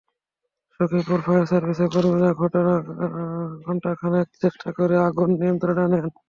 Sakhipur fire সার্ভিসের কর্মীরা ঘণ্টা খানেক চেষ্টা করে আগুন নিয়ন্ত্রণে আনেন।